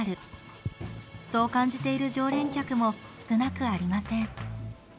そう感じている常連客も少なくありません。